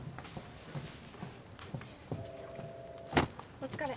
お疲れ。